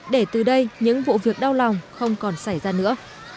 để từ đây những vụ việc đau lòng không còn xảy ra nữa